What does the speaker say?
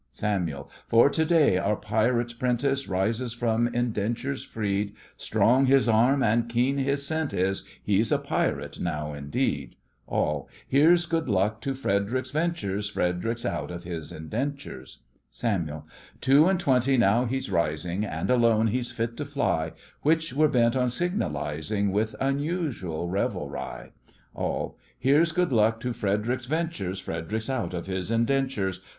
SAMUEL: For today our pirate 'prentice Rises from indentures freed; Strong his arm, and keen his scent is He's a pirate now indeed! ALL: Here's good luck to Fred'ric's ventures! Fred'ric's out of his indentures. SAMUEL: Two and twenty, now he's rising, And alone he's fit to fly, Which we're bent on signalizing With unusual revelry. ALL: Here's good luck to Fred'ric's ventures! Fred'ric's out of his indentures.